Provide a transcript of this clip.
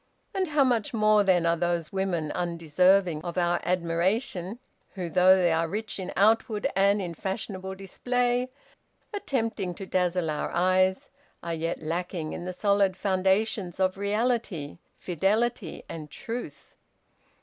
And how much more then are those women undeserving of our admiration, who though they are rich in outward and in fashionable display, attempting to dazzle our eyes, are yet lacking in the solid foundations of reality, fidelity, and truth!